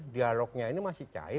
dialognya ini masih cair